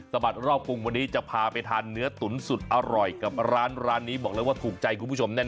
บัดรอบกรุงวันนี้จะพาไปทานเนื้อตุ๋นสุดอร่อยกับร้านร้านนี้บอกเลยว่าถูกใจคุณผู้ชมแน่น